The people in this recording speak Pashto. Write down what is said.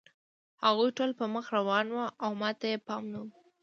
هغوی ټول په مخه روان وو او ما ته یې پام نه و